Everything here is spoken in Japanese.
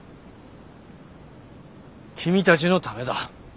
君たちのためだ。